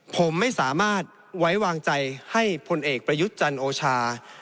ผมไม่สามารถไว้วางใจให้พลเอกประยุทธ์จันโอชา